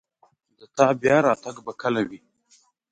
د تا بیا راتګ به کله وي